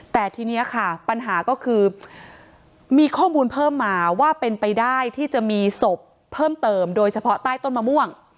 แต่ทีนี้ค่ะปัญหาก็คือมีข้อมูลเพิ่มมาว่าเป็นไปได้ที่จะมีศพเพิ่มเติมโดยเฉพาะใต้ต้นมะม่วง